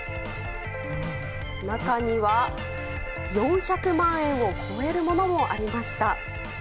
中には、４００万円を超えるものありました。